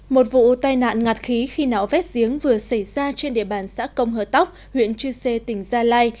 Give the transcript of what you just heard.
một vụ tai nạn ngạt khí khi não vét giếng vừa xảy ra trên địa bàn xã công hờ tóc huyện chư sê tỉnh gia lai